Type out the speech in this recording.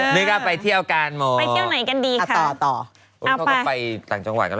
นี่ค่ะไปเที่ยวกันโมไปเที่ยวไหนกันดีค่ะเอาไปไปต่างจังหวัยก็ได้